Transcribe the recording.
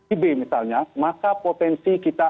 ib misalnya maka potensi kita